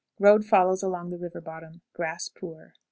Road follows along the river bottom. Grass poor.